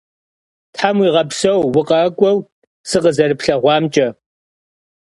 Them vuiğepseu, vukhak'ueu sıkhızerıplheğuamç'e.